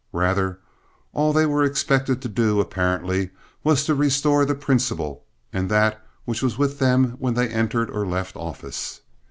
Rather, all they were expected to do, apparently, was to restore the principal and that which was with them when they entered or left office.